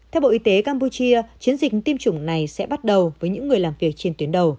theo bộ y tế campuchia chiến dịch tiêm chủng này sẽ bắt đầu với những người làm việc trên tuyến đầu